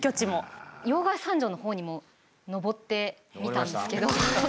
要害山城の方にも登ってみたんですけど。